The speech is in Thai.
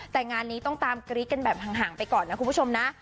แต่งานนี้ต้องตามกรี๊ดกันแบบห่างไปก่อนนะคุณผู้ชมนะ